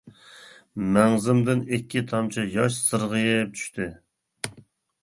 مەڭزىمدىن ئىككى تامچە ياش سىرغىپ چۈشتى.